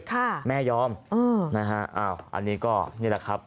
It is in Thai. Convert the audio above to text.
ค่ะแม่ยอมเออนะฮะอ้าวอันนี้ก็นี่แหละครับ